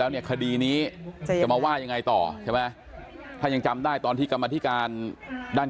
แล้วเนี่ยคดีนี้จะมาว่ายังไงต่อใช่ไหมถ้ายังจำได้ตอนที่กรรมธิการด้าน